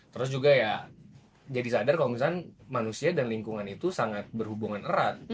terus juga ya jadi sadar kalau misalnya manusia dan lingkungan itu sangat berhubungan erat